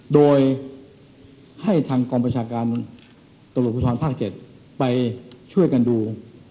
โดยให้ทางกองประชาการตำรวจภูทรภาค๗ไปช่วยกันดู